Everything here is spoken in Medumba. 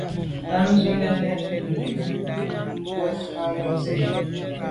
Tɑ́mə̀ zə ù lɛ̌nə́ yù môndzə̀ ú rə̌ nə̀ zí’də́.